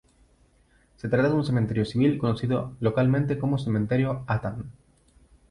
Se trata de un cementerio civil conocido localmente como Cementerio Atan.